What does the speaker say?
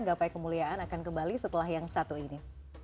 gapai kemuliaan akan kembali setelah yang satu ini